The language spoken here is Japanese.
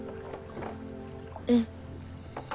うん。